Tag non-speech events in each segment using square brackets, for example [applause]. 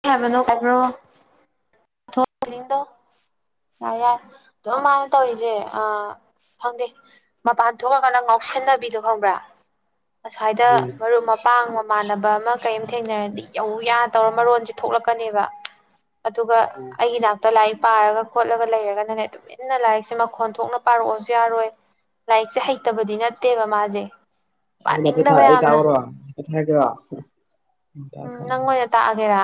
ꯀꯩ ꯍꯥꯏꯕꯅꯣ ꯀꯩꯅ꯭ꯔꯣ ꯊꯣ ꯀ꯭ꯔꯤꯟ ꯗꯣ ꯌꯥ ꯌꯥꯏ ꯇꯨꯝ ꯃꯥꯅ ꯇꯧꯌꯤꯖꯦ ꯑ ꯐꯪꯗꯦ ꯃꯄꯥꯟ ꯊꯣꯑꯀꯥꯟꯗ ꯉꯥꯎꯁꯤꯟꯅꯕꯤꯗꯣ ꯈꯪꯕ꯭ꯔꯥ ꯑꯁꯥꯏꯗ ꯎꯝ ꯃꯔꯨꯞ ꯃꯄꯥꯡ ꯃꯝ ꯃꯥꯟꯅꯕ ꯑꯃ ꯀꯩ ꯑꯝ ꯊꯦꯡꯅꯔꯗꯤ ꯌꯧ ꯌꯥ ꯇꯧꯔ ꯃꯔꯣꯟꯖꯤ ꯊꯣꯛꯂꯛꯀꯅꯦꯕ ꯑꯗꯨꯒ ꯑꯩꯒꯤ ꯅꯥꯥꯛꯇ ꯂꯥꯏꯤꯛ ꯄꯥꯔꯒ ꯈꯣꯠꯂꯒ ꯂꯩꯔꯒꯅꯅꯦ ꯇꯨꯃꯤꯟꯅ ꯂꯥꯏꯔꯤꯛꯁꯦ ꯃꯈꯣꯟ ꯊꯣꯛꯅ ꯄꯥꯔꯛꯑꯣꯁꯨ ꯌꯥꯔꯣꯏ ꯂꯥꯏꯔꯤꯛꯁꯦ ꯍꯩꯇꯕꯗꯤ ꯅꯠꯇꯦꯕ ꯃꯥꯖꯦ ꯑꯧ ꯅꯐꯦꯠ ꯊꯔꯛꯑ ꯑꯩ ꯇꯥꯛꯑꯣꯔꯣ ꯑꯩ ꯊꯥꯔꯛꯀꯦꯔꯣ ꯎꯝ ꯅꯪ ꯑꯣꯏꯅ ꯇꯥꯛꯑꯒꯦꯔꯥ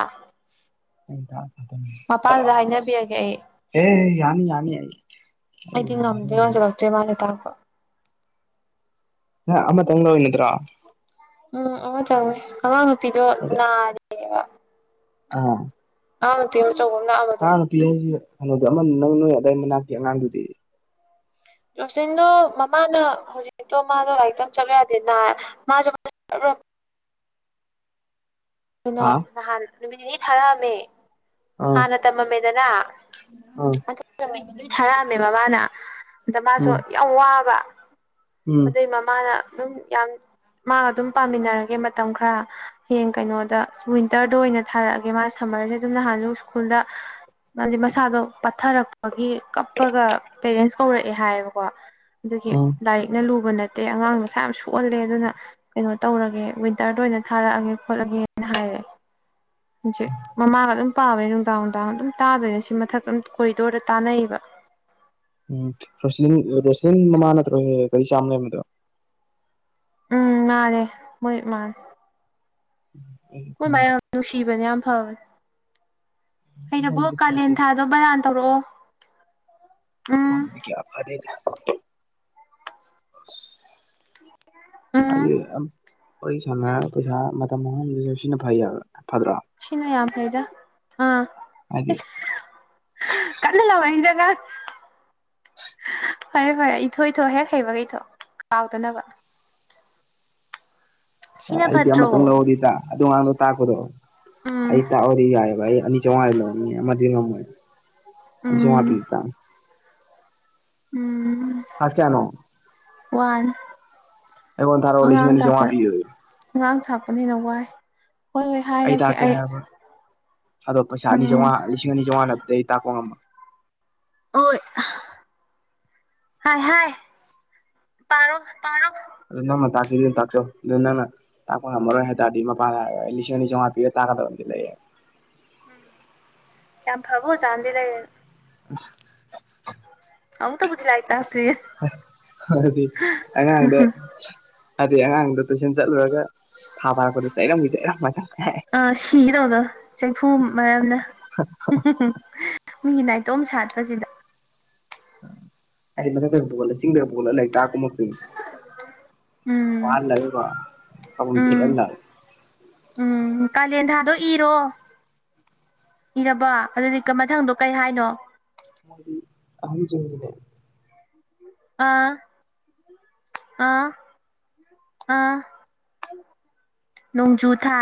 ꯃꯄꯥꯗꯨꯗ ꯍꯥꯏꯅꯕꯤꯔꯒꯦ ꯑꯩ [unintelligible] ꯑꯦ ꯌꯥꯅꯤ ꯌꯥꯅꯤ ꯑꯩ ꯑꯩꯗꯤ ꯉꯝꯗꯤ ꯉꯝꯁꯤꯜꯂꯛꯇ꯭ꯔꯦ ꯃꯥꯁꯦ ꯇꯥꯛꯄ ꯅꯪ ꯑꯃꯇꯪ ꯂꯧꯔꯤ ꯅꯠꯇ꯭ꯔꯣ ꯎꯝ ꯑꯃꯇꯪꯅꯦ ꯑꯉꯥꯡ ꯅꯨꯄꯤꯗꯣ ꯍꯥꯏꯗꯤ ꯅꯔꯤ ꯑꯥ ꯑꯉꯥꯡ ꯅꯨꯄꯤ ꯑꯆꯧꯕ ꯑꯝ ꯂꯥꯛꯑꯝꯕꯗꯣ ꯑꯉꯥꯡ ꯅꯨꯄꯤ ꯍꯥꯏꯁꯦ ꯑꯅꯣꯗꯣ ꯑꯃ ꯅꯪ ꯅꯣꯏ ꯑꯗꯥꯏ ꯃꯅꯥꯛꯀꯤ ꯑꯉꯥꯡꯗꯨꯗꯤ ꯔꯣꯂꯤꯟꯗꯣ ꯃꯃꯥꯅ ꯍꯧꯖꯤꯛꯇꯣ ꯃꯥꯗꯣ ꯂꯥꯏꯔꯤꯛꯇꯝ ꯆꯠꯂꯨ ꯌꯥꯗꯦ ꯅ ꯃꯥꯖꯨ [unintelligible] ꯍꯥ [unintelligible] ꯅꯍꯥꯟ ꯅꯨꯃꯤꯠ ꯅꯤꯅꯤ ꯊꯥꯔꯛꯑꯝꯃꯦ ꯑꯥ ꯍꯥꯟꯅ ꯇꯝꯃꯝꯃꯦꯗꯅ ꯑꯥ ꯑꯗꯨ ꯅꯨꯃꯤꯠ ꯅꯤꯅꯤ ꯊꯥꯔꯛꯑꯝꯃꯦꯕ ꯃꯥꯅ ꯑꯗ ꯃꯥꯁꯨ ꯎꯝ ꯌꯥꯝ ꯋꯥꯕ ꯎꯝ ꯑꯗꯨꯏ ꯃꯃꯥꯅ ꯑꯗꯨꯝ ꯌꯥꯝ ꯃꯥꯒ ꯑꯗꯨꯝ ꯄꯥꯃꯤꯟꯅꯔꯒꯦ ꯃꯇꯝ ꯈꯔ ꯍꯌꯦꯡ ꯀꯩꯅꯣ ꯗ ꯋꯤꯟꯇ꯭ꯔꯗ ꯑꯣꯏꯅ ꯊꯥꯔꯛꯑꯒꯦ ꯃꯥ ꯁꯝꯃꯔꯖꯦ ꯑꯗꯨꯝ ꯅꯍꯥꯟꯁꯨ ꯁ꯭ꯀꯨꯜꯗ ꯃꯥꯗꯤ ꯃꯁꯥꯗꯣ ꯄꯠꯊꯔꯛꯄꯒꯤ ꯀꯞꯄꯒ ꯄꯦꯔꯦꯟꯁ ꯀꯧꯔꯛꯑꯦ ꯍꯥꯏꯕꯀꯣ ꯑꯗꯨꯒꯤ ꯎꯝ ꯂꯥꯏꯔꯤꯛꯅ ꯂꯨꯕ ꯅꯠ ꯇꯦ ꯑꯉꯥꯡ ꯃꯁꯥ ꯌꯥꯝ ꯁꯣꯛꯑꯜꯂꯦ ꯑꯗꯨꯅ ꯀꯩꯅꯣ ꯇꯧꯔꯒꯦ ꯋꯤꯟꯇ꯭ꯔꯗ ꯑꯣꯏꯅ ꯊꯥꯔꯛꯑꯒꯦ ꯈꯣꯠꯂꯒꯦ ꯅ ꯍꯥꯏꯔꯦ ꯍꯧꯖꯤꯛ ꯃꯃꯥꯒ ꯑꯗꯨꯝ ꯄꯥꯕꯅꯦ ꯅꯨꯡꯗꯥꯡ ꯅꯨꯡꯗꯥꯡ ꯑꯗꯨꯝ ꯇꯥꯗꯣꯏꯅꯦ ꯁꯤ ꯃꯊꯛꯇ ꯑꯗꯨꯝ ꯀꯣꯔꯤꯗꯣꯔꯗ ꯇꯥꯟꯅꯩꯕ ꯎꯝ ꯔꯣꯁꯤꯂꯤꯟ ꯔꯣꯁꯤꯂꯤꯟ ꯃꯃꯥ ꯅꯠꯇ꯭ꯔꯣ ꯍꯦꯛ ꯍꯦꯛ ꯒꯔꯤ ꯆꯥꯝ ꯂꯩꯔꯝꯕꯗꯣ ꯎꯝ ꯃꯥꯟꯅꯦ ꯃꯣꯏ ꯃꯥꯅꯦ ꯎꯝ ꯃꯣꯏ ꯃꯥ ꯌꯥꯝ ꯅꯨꯡꯁꯤꯕꯅꯦ ꯌꯥꯝ ꯐꯕꯅꯦ ꯍꯩꯔꯕꯣ ꯑꯩꯉꯣꯟꯗꯗꯤ ꯐꯗꯦ ꯀꯥꯂꯦꯟ ꯊꯥ ꯕꯅꯥꯟ ꯇꯧꯔꯛꯑꯣ ꯎꯝ ꯑꯩꯉꯣꯡꯗꯗꯤ ꯀꯌꯥ ꯐꯗꯦꯗ ꯎꯝ ꯍꯥꯏꯗꯤ ꯋꯥꯔꯤ ꯁꯥꯟꯅꯔꯒ ꯄꯩꯁꯥ ꯃꯇꯝ ꯃꯥꯡꯍꯥꯡꯗꯨꯏꯁꯨꯛ ꯁꯤꯅ ꯐꯩ ꯍꯥꯏꯕ ꯐꯗ꯭ꯔꯣ ꯁꯤꯅ ꯌꯥꯝ ꯐꯩꯗ ꯑꯥ ꯍꯥꯏꯗꯤ ꯏꯁ ꯀꯟꯅ ꯂꯥꯎꯔꯛꯏꯁꯦ ꯑꯉꯥꯡꯁꯦ ꯐꯔꯦ ꯐꯔꯦ ꯏꯊꯣ ꯏꯊꯣ ꯍꯦꯛ ꯍꯩꯕꯒ ꯏꯊꯣ ꯀꯥꯎꯗꯅꯕ ꯁꯤꯅ ꯑꯩꯗꯤ ꯐꯠꯇ꯭ꯔꯣ ꯑꯃꯇꯪ ꯂꯧꯔꯗꯤ ꯇꯥ ꯑꯗꯨ ꯑꯉꯥꯡꯗꯣ ꯇꯥꯛꯄꯗꯣ ꯎꯝ ꯑꯩ ꯇꯥꯛꯑꯣꯏ ꯑꯗꯨ ꯌꯥꯏꯌꯦ ꯚꯥꯏ ꯑꯅꯤ ꯆꯥꯝꯃꯉꯥꯗꯤ ꯂꯧꯅꯤ ꯑꯃꯗꯤ ꯉꯝꯃꯣꯏ ꯑꯅꯤ ꯆꯥꯝꯃꯉꯥ ꯎꯝ ꯄꯤꯔꯗꯤ ꯇꯥꯛꯅꯤ ꯎꯝ ꯀ꯭ꯂꯥꯁ ꯀꯌꯥꯅꯣ ꯋꯥꯟ ꯑꯩꯉꯣꯟ ꯊꯥꯔꯛꯑꯣ ꯂꯤꯁꯤꯡ ꯑꯉꯥꯡ ꯑꯅꯤ ꯇꯥꯛꯄ ꯆꯥꯝꯃꯉꯥ ꯄꯤꯕꯗꯣ ꯑꯉꯥꯡ ꯊꯥꯛꯄꯅꯤꯅ ꯋꯥꯏ ꯍꯣꯏ ꯍꯣꯏ ꯍꯥꯏꯔꯛꯀꯦ ꯇꯥꯛꯀꯦ ꯑꯩ ꯍꯥꯏꯔꯕ ꯑꯗꯣ ꯄꯩꯁꯥ ꯑꯅꯤ ꯎꯝ ꯆꯥꯝꯉꯥ ꯂꯤꯁꯤꯡ ꯑꯅꯤ ꯆꯥꯝꯃꯉꯥ ꯅꯠꯇ꯭ꯔꯗꯤ ꯑꯩ ꯇꯥꯛꯄ ꯉꯝꯃꯣꯏ ꯍꯣꯏ ꯍꯥꯏ ꯍꯥꯏ ꯄꯥꯔꯣ ꯄꯥꯔꯣ ꯑꯗꯣ ꯅꯪꯅ ꯇꯥꯛꯀꯦꯗꯤ ꯇꯥꯛꯆꯧ ꯑꯗꯨ ꯅꯪꯅ ꯇꯥꯛꯄ ꯉꯝꯃꯔꯣꯏ ꯍꯥꯏꯇꯔꯗꯤ ꯃꯄꯥꯗ ꯍꯥꯏꯌꯣ ꯑꯩ ꯂꯤꯁꯤꯡ ꯑꯅꯤꯆꯥꯝꯉ ꯄꯤꯔꯥ ꯇꯥꯛꯀꯗꯕ ꯑꯃꯗꯤ ꯂꯩ ꯎꯝ ꯌꯥꯝ ꯐꯕ ꯑꯣꯖꯥ ꯑꯃꯥꯗꯤ ꯂꯩꯌꯦꯅ [unintelligible] ꯑꯃꯨꯛ ꯇꯕꯨꯨꯗꯤ ꯂꯥꯏꯔꯤꯛꯇ ꯑ ꯑꯗꯨꯗꯤ ꯑꯉꯥꯡꯗ ꯑꯗꯨꯏ ꯑꯉꯥꯡꯗꯣ ꯇꯨꯏꯁꯟ ꯆꯠꯂꯨꯔꯒ ꯊꯥ ꯐꯥꯔꯛꯄꯗ ꯆꯩꯔꯝꯒꯤ ꯆꯩꯔꯝ ꯉꯥꯛꯇ ꯉꯥꯏ ꯑ ꯁꯤꯒꯗꯧꯕꯗꯣ ꯆꯩꯐꯨ ꯃꯔꯝꯅ ꯃꯤꯒꯤ ꯅꯥꯏꯇꯣꯝ ꯁꯥꯠꯄꯁꯤꯗ ꯑꯩ ꯃꯊꯛꯇꯒ ꯄꯨꯈꯠꯂꯒ ꯆꯤꯡꯗꯒ ꯄꯨꯈꯠꯂꯒ ꯂꯥꯏꯔꯤꯛ ꯇꯥꯛꯑꯒ ꯀꯨꯝꯃꯛꯇꯣꯏꯅꯦ ꯎꯝ ꯋꯥꯍꯜꯂꯒꯀꯣ ꯎꯝ [unintelligible] ꯎꯝ ꯀꯥꯂꯦꯟ ꯊꯥꯗꯣ ꯏꯔꯣ ꯏꯔꯕꯣ ꯑꯗꯨꯗꯤ ꯀꯝ ꯃꯊꯪꯗꯣ ꯀꯩ ꯍꯥꯏꯅꯣ ꯃꯣꯏꯗꯤ ꯑꯍꯟ [inaudible] ꯑꯥ ꯑꯥ ꯑꯥ ꯅꯣꯡꯖꯨ ꯊꯥ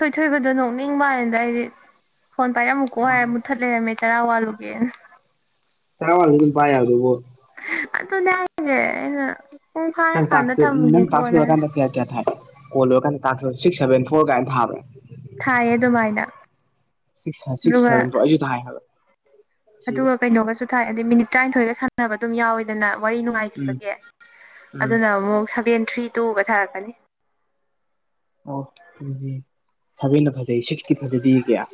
ꯊꯣꯏꯊꯣꯏꯕꯗꯣ ꯅꯣꯛꯅꯤꯡꯕ ꯋꯥꯅꯤꯗ ꯑꯩꯗꯤ꯫ ꯐꯣꯟ ꯄꯥꯏꯔꯝꯃꯨꯀꯣꯛ ꯍꯥꯏ ꯃꯨꯠꯊꯠ ꯂꯩꯔꯝꯃꯦ ꯆꯔꯥ ꯋꯥꯜꯂꯨꯒꯦꯅ꯫ ꯆꯔꯋꯥꯜꯂꯖꯨ ꯑꯗꯨꯝ ꯄꯥꯏ ꯌꯥꯕꯗꯨꯕꯣ꯫ ꯑꯗꯨꯅꯦ ꯍꯥꯏꯖꯦ ꯑꯩꯅ ꯄꯨꯡ ꯅꯪ ꯐꯥꯔꯀꯥꯟꯗ ꯇꯥꯛꯁ ꯅꯪ ꯊꯝꯒꯦꯀꯣ ꯇꯥꯛꯁ ꯅ ꯍꯥꯏ꯫ ꯂꯣꯏꯔꯀꯥꯟꯗ ꯀꯌꯥ ꯀꯌꯥ ꯊꯥꯏ ꯀꯣꯜ ꯂꯣꯏꯔꯀꯥꯟꯗ ꯇꯥꯛꯁ ꯁꯤꯛꯁ ꯁꯚꯦꯟ ꯐꯣꯔ ꯀꯥꯏꯅ ꯊꯥꯕꯔ꯫ ꯊꯥꯏꯌꯦ ꯑꯗꯨꯃꯥꯏꯅ ꯁꯤꯛꯁ ꯁꯤꯛꯁ ꯑꯗꯨꯒ ꯁꯚꯦꯟ ꯐꯣꯔ ꯑꯩꯁꯨ ꯊꯥꯏ ꯍꯥꯏꯕ꯫ ꯁꯤꯗ ꯑꯗꯨꯒ ꯀꯩꯅꯣꯒꯁꯨ ꯊꯥꯏ ꯑꯗꯤ ꯃꯤꯅꯤꯠ ꯇꯔꯥꯅꯤꯊꯣꯏꯒ ꯁꯥꯟꯅꯕ ꯑꯗꯨꯝ ꯌꯥꯎꯋꯤꯗꯅ ꯋꯥꯔꯤ ꯅꯨꯡꯉꯥꯏ ꯎꯝ ꯕꯒꯤ ꯎꯝ ꯑꯗꯨꯅ ꯑꯃꯨꯛ ꯁꯚꯦꯟ ꯊ꯭ꯔꯤ ꯇꯨꯒꯊꯔꯛꯀꯅꯤ꯫ ꯑꯣ ꯑꯗꯨꯗꯤ ꯁꯚꯦꯟꯅ ꯐꯖꯩ ꯁꯤꯛꯁꯇꯤ ꯐꯖꯗꯦ ꯀꯌꯥ꯫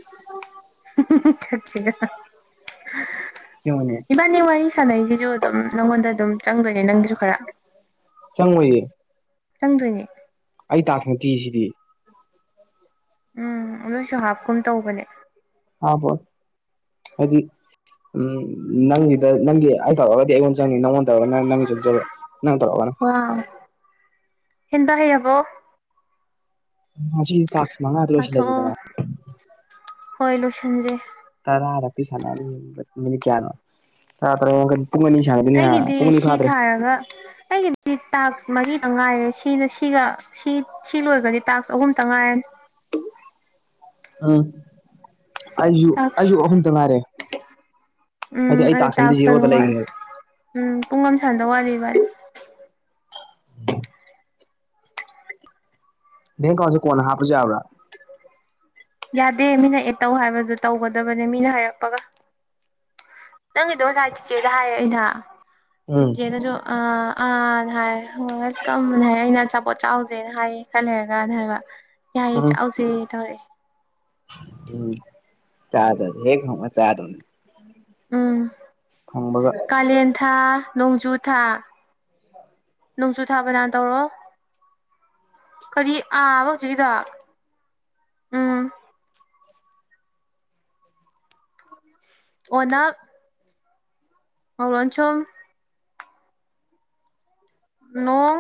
ꯁꯛꯁꯤꯒ꯫ ꯌꯦꯡꯉꯣꯅꯦ ꯏꯕꯥꯅꯤ ꯋꯥꯔꯤ ꯁꯥꯟꯅꯩꯁꯤꯁꯨ ꯑꯗꯨꯝ ꯅꯪꯉꯣꯟꯗ ꯑꯗꯨꯝ ꯆꯪꯗꯣꯏꯅꯦ ꯅꯪꯒꯤꯁꯨ ꯈꯔ꯫ ꯆꯪꯉꯣꯏꯌꯦ꯫ ꯆꯪꯗꯣꯏꯅꯦ꯫ ꯑꯩ ꯇꯥꯛꯁ ꯅꯠꯇꯤꯌꯦꯁꯤꯗꯤ꯫ ꯎꯝ ꯑꯗꯣꯏꯁꯨ ꯍꯥꯞꯀꯨꯝ ꯇꯧꯕꯅꯦ꯫ ꯍꯥꯞꯄꯣꯏ ꯍꯥꯏꯗꯤ ꯎꯝ ꯅꯪꯒꯤ ꯅꯪꯒꯤ ꯑꯩ ꯇꯧꯔꯒꯗꯤ ꯑꯩꯉꯣꯟ ꯆꯪꯅꯤ ꯅꯪꯉꯣꯟ ꯇꯧꯔꯒꯅ ꯅꯪꯒꯤ ꯆꯪꯖꯕ ꯅꯪ ꯇꯧꯔꯒꯅ꯫ ꯋꯥꯎ꯫ ꯍꯦꯟꯗ ꯍꯩꯔꯕꯣ꯫ ꯉꯁꯤꯗꯤ ꯇꯥꯛꯁ ꯃꯉꯥꯗꯣ ꯄꯥꯊꯣꯛꯑꯣ ꯂꯣꯏꯁꯤꯜꯂꯁꯤꯗꯅ ꯍꯣꯏ ꯂꯣꯏꯁꯟꯖꯦ꯫ ꯇꯔꯥꯔꯛꯇꯤ ꯁꯟꯅꯅꯤꯡꯕꯅꯤ ꯃꯤꯅꯤꯠ ꯀꯌꯥꯅꯣ ꯇꯔꯥ [unintelligible] ꯁꯥꯟꯅꯗꯣꯏꯅꯦ ꯑꯩꯒꯤꯗꯤ ꯄꯨꯡ ꯑꯅꯤ ꯁꯤ ꯐꯥꯗ꯭ꯔꯦ ꯊꯥꯔꯒ ꯑꯩꯒꯤ ꯁꯤ ꯇꯥꯛꯁ ꯃꯔꯤꯗꯪ ꯉꯥꯏꯔꯦ ꯁꯤꯅ ꯁꯤꯒ ꯁꯤ ꯁꯤ ꯂꯣꯏꯔꯒꯗꯤ ꯇꯥꯛꯁ ꯑꯍꯨꯝꯇꯪ ꯉꯥꯏꯔꯅꯤ꯫ ꯎꯝ ꯑꯩꯁꯨꯨ ꯇꯥꯛꯁ ꯑꯩꯁꯨꯨ ꯑꯍꯨꯝꯇ ꯉꯥꯏꯔꯦ꯫ ꯍꯥꯏꯗꯤ ꯎꯝ ꯑꯩ ꯑꯗꯨ ꯑꯃꯗꯤ ꯇꯥꯛꯁ ꯖꯦꯔꯣꯗ ꯇꯔꯨꯛ ꯋꯥꯠꯂꯦ ꯂꯩꯈ꯭ꯔꯦꯕ ꯎꯝ ꯄꯨꯡ ꯑꯝ ꯁꯥꯟꯗꯧ ꯋꯥꯠꯂꯤ ꯏꯕꯅꯤ꯫ ꯕꯦꯡ ꯑꯦꯀꯥꯎꯟꯁꯨ ꯀꯣꯟꯅ ꯍꯥꯞꯄꯁꯨ ꯌꯥꯕ꯭ꯔ꯫ ꯌꯥꯗꯦ ꯃꯤꯅ ꯑꯦꯠ ꯇꯧ ꯍꯥꯏꯕꯗꯨ ꯇꯧꯒꯗꯕꯅꯦ ꯃꯤꯅ ꯍꯥꯏꯔꯛꯄꯒ꯫ ꯅꯪꯒꯤꯗꯣ ꯉꯥꯁꯥꯏ ꯆꯤꯆꯦꯗ ꯍꯥꯏꯔꯦ ꯑꯩꯅ ꯎꯝ ꯆꯤꯆꯦꯅꯁꯨ ꯑꯥ ꯑꯥꯅ ꯍꯥꯏꯔꯦ꯫ ꯋꯦꯜꯀꯝ ꯍꯥꯏꯔ ꯑꯩꯅ ꯑꯆꯥꯄꯣꯠ ꯆꯥꯎꯖꯦꯅ ꯍꯥꯏꯌꯦ ꯈꯔ ꯂꯩꯔꯒꯅ ꯍꯥꯏꯕ꯫ ꯌꯥꯏꯌꯦ ꯎꯝ ꯆꯥꯎꯖꯦ ꯇꯧꯔꯛꯑꯦ꯫ ꯎꯝ ꯆꯥꯗꯣꯏꯅꯤ ꯍꯦꯛ ꯐꯪꯕꯒ ꯆꯥꯗꯣꯏꯅꯤ꯫ ꯎꯝ꯫ ꯐꯪꯕꯒ꯫ ꯀꯥꯂꯦꯟ ꯊꯥ ꯅꯣꯡꯖꯨ ꯊꯥ꯫ ꯅꯣꯡꯖꯨ ꯊꯥ ꯕꯥꯅꯟ ꯇꯧꯔꯣ꯫ ꯀꯔꯤ ꯑꯥꯕ ꯍꯧꯖꯤꯛꯀꯤꯗꯣ ꯎꯝ꯫ ꯑꯣꯅꯥꯞ꯫ ꯉꯧ ꯂꯣꯟꯁꯨꯝ꯫ ꯅꯣꯡ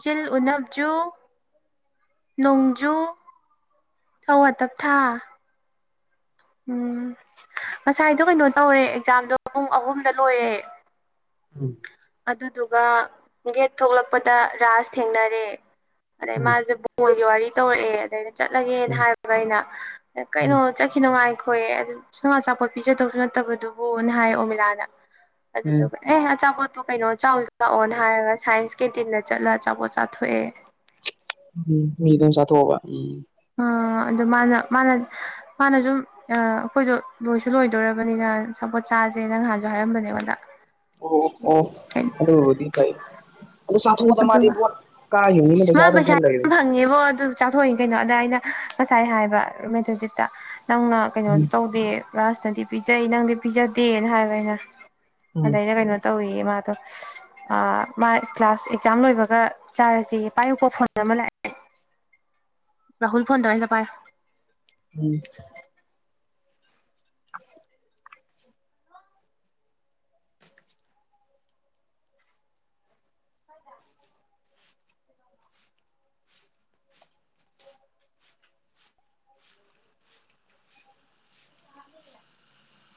ꯖꯤꯜ ꯎꯅꯞꯖꯨ꯫ ꯅꯣꯡꯖꯨ꯫ ꯊꯧ ꯑꯇꯞ ꯊꯥ꯫ ꯎꯝ ꯉꯁꯥꯏꯗꯣ ꯀꯩꯅꯣ ꯇꯧꯔꯦ ꯑꯦꯛꯖꯥꯝꯗꯣ ꯄꯨꯡ ꯑꯍꯨꯝꯗ ꯂꯣꯏꯔꯦ꯫ ꯎꯝ꯫ ꯑꯗꯨꯗꯨꯒ ꯒꯦꯠ ꯊꯣꯛꯂꯛꯄꯗ ꯔꯥꯁ ꯊꯦꯡꯅꯔꯦ ꯑꯗꯩ ꯎꯝ ꯃꯥꯁꯦ ꯃꯣꯏꯒꯤ ꯋꯥꯔꯤ ꯇꯧꯔꯛꯑꯦ ꯑꯗꯩꯗ ꯑꯩꯅ ꯆꯠꯂꯒꯦꯅ ꯎꯝ ꯍꯥꯏꯕ ꯑꯩꯅ ꯎꯝ ꯀꯩꯅꯣ ꯆꯠꯈꯤꯅꯣ ꯉꯥꯏꯈꯣꯌꯦ ꯑꯗꯨ ꯁꯨꯝ ꯑꯆꯥꯄꯣꯠ ꯄꯤꯖꯗꯧꯁꯨ ꯅꯠꯇꯕꯗꯨꯕꯨꯅ ꯍꯥꯏꯔ‌ꯦ ꯑꯣꯃꯤꯂꯥꯅ ꯎꯝ ꯑꯗꯨꯗꯨꯒ ꯑꯦ ꯑꯆꯥꯄꯣꯠ ꯄꯣꯠꯄꯨ ꯀꯩꯅꯣ ꯆꯥꯎꯁꯤ ꯂꯥꯛꯑꯣꯅ ꯍꯥꯏꯔꯒ ꯁꯥꯏꯟꯁ ꯀꯦꯇꯤꯟꯗ ꯆꯠꯂ ꯑꯆꯥꯄꯣꯠ ꯆꯥꯊꯣꯛꯑꯦ ꯎꯝ ꯃꯤꯒꯤꯗ‌ꯣ ꯑꯃꯨꯛ ꯆꯥꯊꯣꯛꯑꯕ ꯎꯝ ꯑꯥ ꯑꯗ ꯃꯥꯅ ꯃꯥꯅ ꯃꯥꯅ ꯁꯨꯝ ꯑꯥ ꯑꯩꯈꯣꯏꯗꯣ ꯂꯣꯏꯁꯨ ꯂꯣꯏꯗꯣꯔꯕꯅꯤꯅ ꯑꯆꯥꯄꯣꯠ ꯆꯥꯁꯦꯅ ꯅꯍꯥꯟꯁꯨ ꯍꯥꯏꯔꯝꯕꯅꯦ ꯑꯩꯉ‌ꯣꯟꯗ ꯑꯣ ꯑꯣ ꯑꯗꯨꯕꯨꯗꯤ ꯀꯩꯅ‌ꯣ ꯑꯗꯨ ꯆꯥꯊꯣꯛꯑꯣꯗ ꯑꯗꯨꯒ ꯃꯥꯗꯤ ꯕꯣꯠ ꯀꯥꯔꯤꯃꯤꯅꯤꯅꯥ ꯄꯩꯁꯥꯗꯨꯝ ꯈꯔ ꯂꯩꯕꯅꯦ ꯈꯪꯉꯦꯕꯣ ꯑꯗꯨ ꯆꯥꯊꯣꯛꯏ ꯀꯩꯅꯣ ꯑꯗ ꯑꯩꯅ ꯉꯁꯥꯏ ꯍꯥꯏꯕ ꯃꯦꯠꯇꯖꯤꯠꯇ ꯅꯪꯅ ꯎꯝ ꯀꯩꯅꯣꯁꯨ ꯇꯧꯗꯦ ꯔꯥꯁꯇꯗꯤ ꯄꯤꯖꯩ ꯅꯪꯗꯤ ꯄꯤꯖꯗꯦꯅ ꯍꯥꯏꯕ ꯑꯩꯅ ꯎꯝ ꯑꯗꯩꯗ ꯀꯩꯅꯣ ꯇꯧꯋꯦꯌꯦ ꯃꯥꯗꯣ ꯑꯥ ꯃꯥ ꯀ꯭ꯂꯥꯁ ꯑꯦꯛ ꯖꯥꯝ ꯂꯣꯏꯕꯒ ꯆꯥꯔꯁꯦꯌꯦ ꯄꯥꯏꯎꯀꯣ ꯐꯣꯟ ꯑꯃ ꯂꯥꯛꯑꯦ ꯔꯍꯨꯜ ꯐꯣꯟ ꯇꯧꯔꯛꯑ‌ꯦ ꯑꯝꯇ ꯄꯥꯏꯌ‌ꯣ ꯎꯝ [inaudible]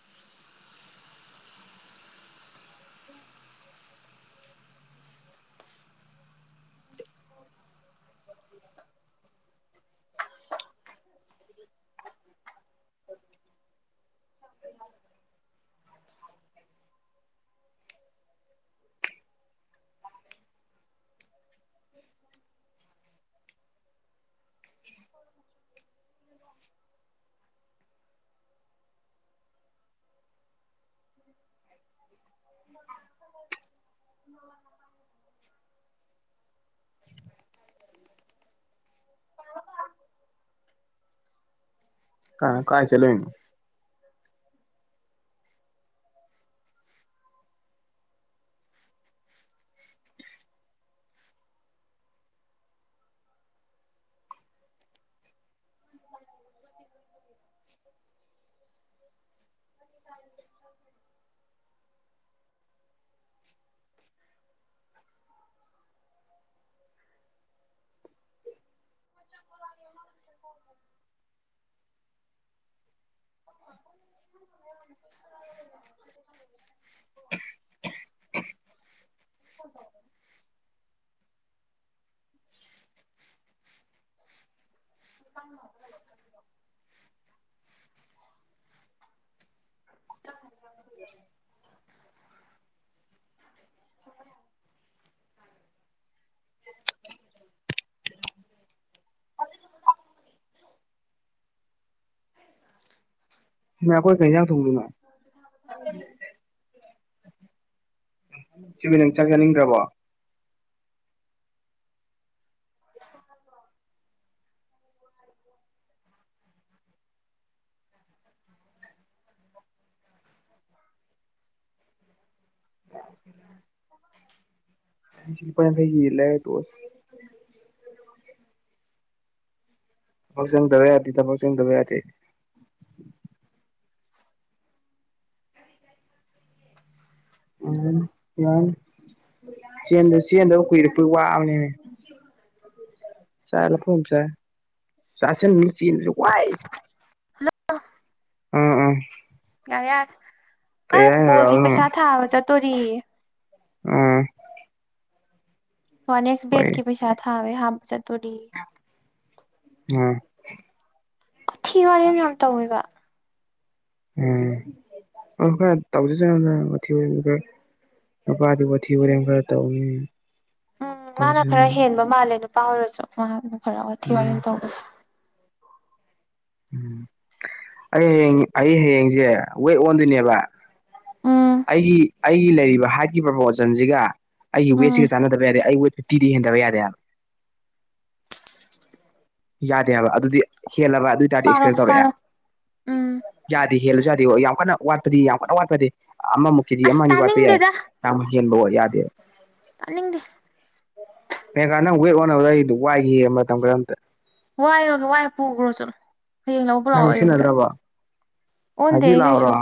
[inaudible] [inaudible] [inaudible] [inaudible] [inaudible] [inaudible] [inaudible] [inaudible] [inaudible] ꯑꯥ ꯀꯥꯏ ꯆꯠꯂꯨꯏꯅꯣ [inaudible] [inaudible] [inaudible] [unintelligible] [inaudible] ꯃꯥ ꯆꯥꯄꯣꯠ ꯂꯝꯃꯦ [unintelligible] [unintelligible] [unintelligible] [unintelligible] [unintelligible] ꯌꯦ [inaudible] ꯁꯣꯅꯤꯌꯥ ꯈꯣꯏ ꯀꯩ ꯍꯤꯟꯖꯥꯡ ꯊꯣꯡꯗꯨꯏꯅꯣ [unintelligible] ꯑꯁꯦꯡꯕꯩ ꯅꯪ ꯆꯥꯛ ꯆꯥꯅꯤꯡꯗ꯭ꯔꯥꯕ‌ꯣ [unintelligible] [inaudible] ꯉꯁꯤ ꯂꯨꯄꯥ ꯌꯥꯡꯈꯩꯒꯤ ꯌꯦꯟ ꯂꯩꯔꯥ ꯇꯣꯛꯑꯁ‌ꯦ ꯊꯕꯛ ꯆꯪꯗꯕ ꯌꯥꯗꯦ ꯊꯕꯛ ꯆꯪꯗꯕ ꯌꯥꯗꯦ ꯑꯩ ꯎꯝ ꯌꯥꯔꯅꯤ ꯆꯦꯟꯖꯗ ꯆꯦꯟꯗꯕ ꯀꯨꯏꯔꯦ ꯗꯨ ꯋꯥꯕꯅꯤꯅꯦ ꯆꯥꯛ ꯆꯈꯣꯝ ꯑꯃ ꯆꯥꯏ꯫ ꯆꯁꯤꯟꯂꯥ ꯆꯦꯟꯕꯁꯦ ꯋꯥꯏ꯫ ꯍꯦꯜꯂꯣ꯫ ꯎꯝ ꯎꯝ ꯌꯥꯔꯦ ꯌꯥꯔꯦ ꯀꯩ ꯑꯁ ꯍꯥꯏꯅꯣ ꯕꯣꯜꯒꯤ ꯔꯥꯍꯨꯜꯅ ꯄꯩꯁꯥ ꯊꯥꯕ ꯆꯠꯇꯨꯔꯤꯌꯦ꯫ ꯎꯝ ꯍꯣꯏ ꯅꯦꯛꯁ ꯕꯦꯠꯀꯤ ꯄꯩꯁꯥ ꯊꯥꯕꯩ ꯍꯥꯞꯄ ꯆꯠꯇꯨꯔꯤꯌꯦ꯫ ꯎꯝ꯫ ꯋꯥꯊꯤ ꯋꯥꯔꯦꯝ ꯌꯥꯝ ꯇꯧꯋꯦꯕ ꯎꯝ ꯑꯣ ꯈꯔ ꯇꯧꯖꯁꯅꯨꯗꯥ ꯋꯥꯊꯤ ꯋꯥꯔꯦꯝꯁꯨ ꯈꯔ ꯅꯨꯄꯥꯗꯤ ꯋꯥꯊꯤ ꯋꯥꯔꯦꯝ ꯈꯔ ꯇꯧꯏ ꯎꯝ ꯃꯥꯅ ꯈꯔ ꯍꯦꯟꯕ ꯃꯥꯜꯂꯦ ꯅꯨꯄꯥ ꯑꯣꯏꯔꯁꯨ ꯃꯍꯥꯛꯅ ꯈꯔ ꯋꯥꯊꯤ ꯋꯥꯔꯦꯝ ꯎꯝ ꯇꯧꯕꯁꯨ ꯎꯝ ꯑꯩ ꯍꯌꯦꯡ ꯑꯩ ꯍꯌꯦꯡꯁꯦ ꯋꯦꯠ ꯑꯣꯟꯗꯣꯏꯅꯦꯕ ꯎꯝ ꯑꯩꯒꯤ ꯑꯩꯒꯤ ꯂꯩꯔꯤꯕ ꯍꯥꯏꯠꯀꯤ ꯄ꯭ꯔꯣꯄꯣꯁ ꯁꯟꯁꯤꯒ ꯑꯩꯒꯤ ꯎꯝ ꯋꯦꯠꯁꯤꯒ ꯆꯥꯟꯅꯗꯕ ꯌꯥꯗꯦ ꯑꯩ ꯋꯦꯠ ꯐꯤꯞꯇꯤꯗꯒꯤ ꯍꯦꯟꯗꯕ ꯌꯥꯗꯦ ꯍꯥꯏꯕ ꯌꯥꯗꯦ ꯍꯥꯏꯕ ꯑꯗꯨꯗꯤ ꯍꯦꯜꯂꯕ ꯑꯗꯨꯏ ꯇꯥꯔꯗꯤ ꯄꯥꯔꯣ ꯑꯦꯛꯁꯄꯦꯜ ꯇꯧꯔꯛꯑꯦ ꯄꯥꯔꯣ ꯎꯝ ꯌꯥꯗꯦ ꯍꯦꯜꯂꯁꯨ ꯌꯥꯗꯦ ꯑꯣ ꯌꯥꯝ ꯀꯟꯅ ꯋꯥꯠꯄꯗꯤ ꯌꯥꯝ ꯀꯟꯅ ꯋꯥꯠꯄꯗꯤ ꯑꯃꯃꯨꯛ ꯀꯦꯖꯤ ꯑꯃ ꯑꯁ ꯑꯅꯤ ꯋꯥꯠꯄ ꯌꯥꯏ ꯇꯥꯅꯤꯡꯗꯦꯗ ꯌꯥꯝ ꯍꯦꯟꯕꯗꯣ ꯌꯥꯗꯦ ꯇꯥꯅꯤꯡꯗꯦ ꯃꯦꯒꯥ ꯅꯪ ꯋꯦꯠ ꯑꯣꯟꯅꯕ ꯂꯩꯗꯣ ꯋꯥꯏꯒꯦꯌꯦ ꯃꯇꯝ ꯈꯔ ꯑꯃꯇ ꯋꯥꯏꯔꯣ ꯋꯥꯏꯔꯣ ꯄꯨꯒꯈ꯭ꯔꯣ ꯆꯠꯂꯣ ꯍꯌꯦꯡ ꯂꯧꯕ ꯂꯥꯛꯑꯣ ꯅꯪ ꯑꯌꯨꯛꯇ ꯁꯤꯖꯤꯟꯅꯗ꯭ꯔꯕꯣ ꯑꯣꯟꯗꯦ ꯍꯧꯖꯤꯛ ꯑꯩ ꯀꯩꯁꯨ ꯂꯥꯛꯑꯣꯔꯣ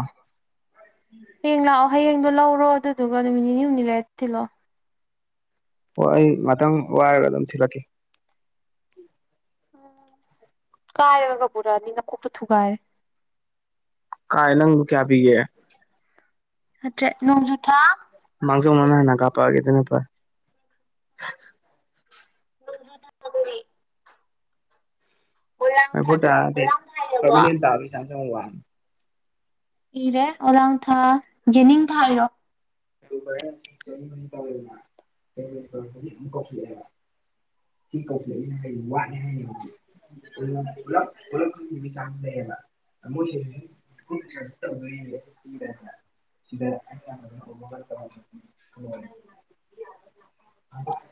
ꯍꯌꯦꯡ ꯂꯥꯛꯑꯣ ꯍꯌꯦꯡꯗꯣ ꯂꯧꯔꯣ ꯑꯗꯨꯗꯨꯒ ꯅꯨꯃꯤꯠ ꯅꯤꯅꯤ ꯍꯨꯝꯅꯤ ꯂꯩꯔ ꯊꯤꯜꯂꯛꯂꯣ ꯑꯣ ꯑꯩ ꯉꯛꯇꯪ ꯋꯥꯏꯔꯒ ꯑꯗꯨꯝ ꯊꯤꯜꯂꯛꯀꯦ ꯀꯥꯏꯔꯥꯒ ꯄꯨꯔꯛꯑꯗꯤ ꯅꯥꯀꯣꯛꯇꯣ ꯊꯨꯒꯥꯏꯔꯦ ꯀꯥꯏ ꯅꯪꯗꯣ ꯀꯌꯥ ꯄꯤꯒꯦ ꯆꯇ꯭ꯔꯦꯠ ꯅꯣꯡꯖꯨ ꯊꯥ ꯃꯥꯡꯖꯧꯅꯅ ꯃꯊꯪꯗꯅꯦ ꯍꯥꯟꯅ ꯀꯥꯞꯄꯛꯑꯒꯦ ꯑꯗꯨꯅ ꯐꯔꯦ [inaudible] ꯑꯣꯂꯥꯡ ꯊꯥ ꯇꯥꯗꯦ ꯑꯣꯂꯥꯡ ꯊꯥ ꯏꯔꯕꯣ ꯄꯔꯃꯦꯅꯦꯟꯠ ꯇꯥꯕꯩ ꯆꯥꯟꯁ ꯌꯥꯝ ꯋꯥꯡꯏ ꯏꯔꯦ ꯑꯣꯂꯥꯡ ꯊꯥ ꯌꯦꯅꯤꯡ ꯊꯥ ꯏꯔꯣ [inaudible] [inaudible] ꯄꯨꯂꯞ ꯄꯨꯂꯞ ꯈꯟꯒꯤꯕꯩ ꯆꯥꯟꯁ ꯂꯩꯌꯦꯕ ꯃꯣꯏꯒꯤ [inaudible] [inaudible]